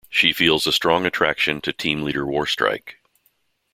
She feels a strong attraction to team leader Warstrike.